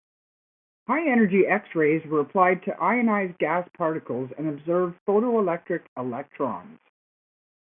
High-energy X-rays were applied to ionize gas particles and observe photoelectric electrons.